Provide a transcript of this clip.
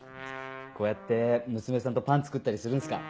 こうやって娘さんとパン作ったりするんすか？